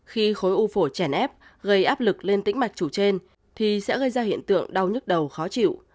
khi khối u phổi chèn ép gây áp lực lên tĩnh mạch chủ trên thì sẽ gây ra hiện tượng đau nhức đầu khó chịu